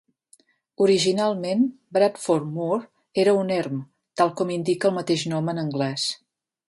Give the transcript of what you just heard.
Originalment, Bradford Moor era un erm, tal com indica el mateix nom en anglès.